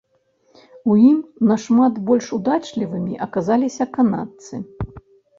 У ім нашмат больш удачлівымі аказаліся канадцы.